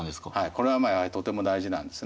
これはとても大事なんですね。